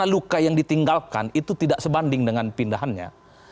luka yang ditinggalkan itu tidak sebanding dengan pindahannya